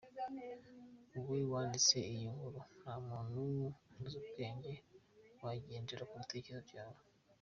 wowe wanditse iyi nkuru nta muntu uz’ubwenge wagendera ku bitekerezo byawe